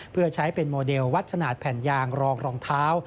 เพื่อใช้เป็นโมเดลวัดขนาดแผ่นยางรองรองเท้า